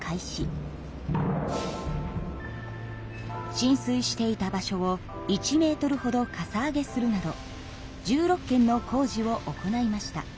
浸水していた場所を１ｍほどかさ上げするなど１６件の工事を行いました。